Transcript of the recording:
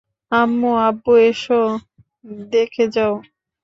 আম্মু, আব্বু, এসো দেখে যাও!